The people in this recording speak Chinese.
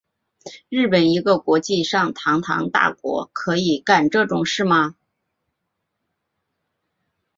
日本一个国际上堂堂大国可以干这种事吗？